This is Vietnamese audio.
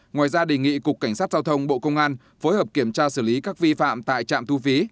ngoài ra đề nghị cục cảnh sát giao thông bộ công an phối hợp kiểm tra xử lý các vi phạm tại trạm thu phí